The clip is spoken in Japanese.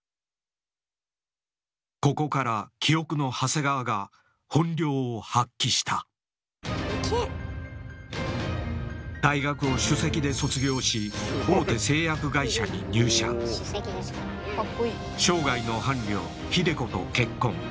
ここから「記憶の長谷川」が本領を発揮した大学を首席で卒業し生涯の伴侶秀子と結婚。